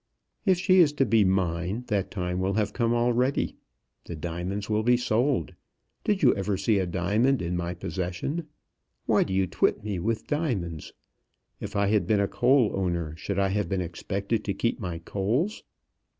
"If she is to be mine, that time will have come already. The diamonds will be sold. Did you ever see a diamond in my possession? Why do you twit me with diamonds? If I had been a coal owner, should I have been expected to keep my coals?"